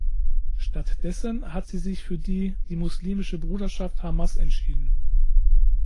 Stattdessen hat sie sich für die die muslimische Bruderschaft Hamas entschieden.